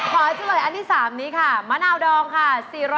เฉลยอันที่๓นี้ค่ะมะนาวดองค่ะ